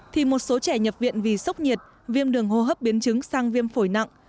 thì một số trẻ nhập viện vì sốc nhiệt viêm đường hô hấp biến chứng sang viêm phổi nặng